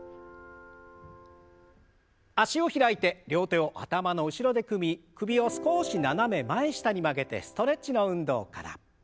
脚を開いて両手を頭の後ろで組み首を少し斜め前下に曲げてストレッチの運動から。